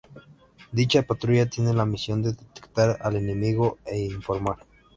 Dicha patrulla tiene la misión de detectar al enemigo e informar.